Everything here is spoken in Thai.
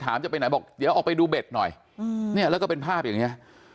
จะไปไหนบอกเดี๋ยวออกไปดูเบ็ดหน่อยเนี่ยแล้วก็เป็นภาพอย่างนี้